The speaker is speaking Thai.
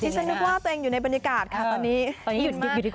ฉันนึกว่าตัวเองอยู่ในบรรยากาศค่ะตอนนี้